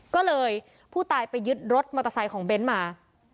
ก็เลยผู้ตายไปยึดรถมอเตอร์ไซค์ของเบ้นมา